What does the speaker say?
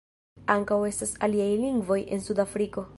Ankaŭ estas aliaj lingvoj en Sud-Afriko.